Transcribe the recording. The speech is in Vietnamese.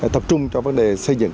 tập trung cho vấn đề xây dựng